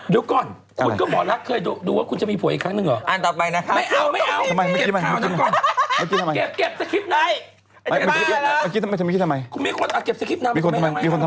เดี๋ยวก่อนคุณก็หมอรักเคยดูว่าคุณจะมีผัวอีกครั้งหนึ่งเหรอ